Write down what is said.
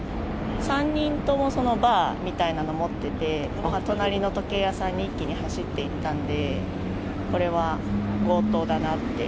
３人とも、そのバーみたいなの持ってて、隣の時計屋さんに一気に走っていったんで、これは強盗だなって。